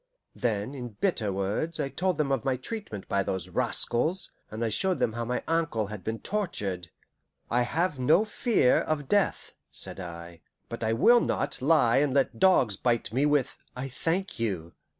Then, in bitter words, I told them of my treatment by those rascals, and I showed them how my ankle had been tortured. "I have no fear of death," said I, "but I will not lie and let dogs bite me with 'I thank you.